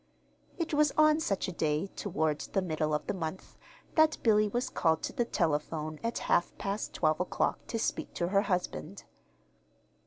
It was on such a day, toward the middle of the month, that Billy was called to the telephone at half past twelve o'clock to speak to her husband.